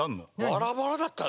バラバラだったね。